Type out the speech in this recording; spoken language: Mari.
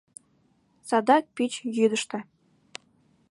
Садак пич йӱдыштӧ